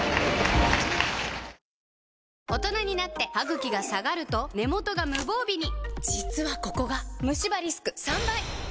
大人になってハグキが下がると根元が無防備に実はここがムシ歯リスク３倍！